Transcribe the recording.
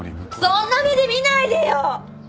そんな目で見ないでよ。